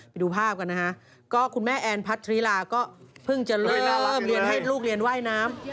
ไปดูภาพกันนะฮะก็คุณแม่แอนพัทธริลาก็เพิ่งจะเริ่มเรียนให้ลูกเรียนว่ายน้ำ